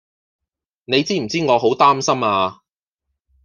你知唔知我好擔心呀